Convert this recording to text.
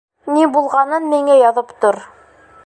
Ни булғанын миңә яҙып тор.